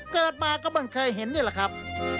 เกิดมาก็เพิ่งเคยเห็นนี่แหละครับ